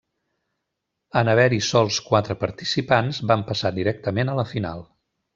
En haver-hi sols quatre participants van passar directament a la final.